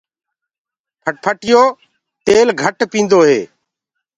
موٽر سيڪل تيل گهٽ پيٚندو هي۔